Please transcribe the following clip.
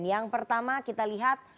yang pertama kita lihat